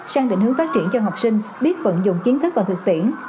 sang định hướng phát triển cho học sinh biết vận dụng kiến thức và thực tiễn